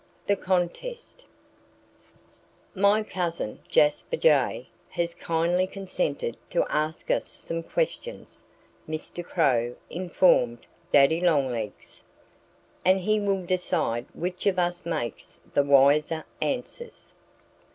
IV THE CONTEST "MY cousin, Jasper Jay, has kindly consented to ask us some questions," Mr. Crow informed Daddy Longlegs. "And he will decide which of us makes the wiser answers."